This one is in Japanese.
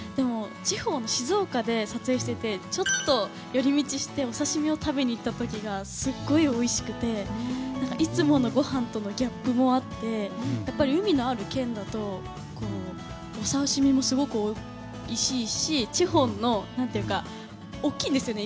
私は撮影中だとなかなか新鮮なものが食べられなくてでも地方の静岡で撮影しててちょっと寄り道してお刺し身を食べに行った時がすごいおいしくていつものごはんとのギャップもあってやっぱり海のある県だとお刺し身もすごくおいしいし地方のは大きいんですよね